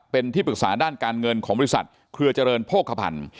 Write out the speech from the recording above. เป็นที่ปรึกษาด้านการเงินของบริษัทเครือเจริญโภคภัณฑ์